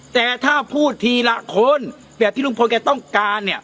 แต่ถ้าพูดทีละคนแบบที่ลุงพลแกต้องการเนี่ย